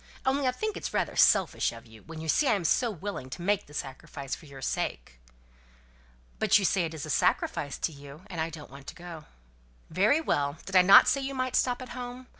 Only I think it is rather selfish of you, when you see I am so willing to make the sacrifice for your sake." "But you say it is a sacrifice to you, and I don't want to go." "Very well; did I not say you might stop at home?